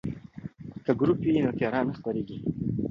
که ګروپ وي نو تیاره نه خپریږي.